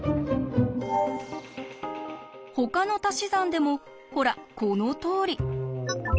ほかのたし算でもほらこのとおり。